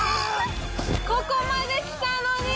ここまで来たのに！